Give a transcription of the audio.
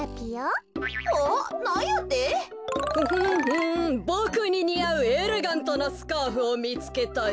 ボクににあうエレガントなスカーフをみつけたよ。